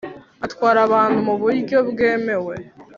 atwara abantu muburyo bwemewe